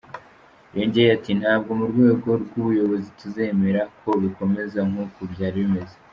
Yongeye ati “Ntabwo mu rwego rw’ubuyobozi tuzemera ko bikomeza nk’uko byari bimeze.